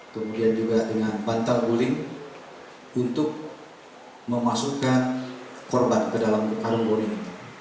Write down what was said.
kemudian juga dengan bantal guling untuk memasukkan korban ke dalam karung boring